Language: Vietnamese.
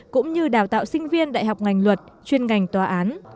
cũng như đào tạo sinh viên đại học ngành luật chuyên ngành tòa án